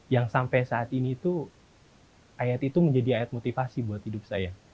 yang sampai saat ini tuh ayat itu menjadi ayat motivasi buat hidup saya